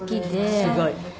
すごい。